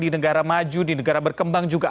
di negara maju di negara berkembang juga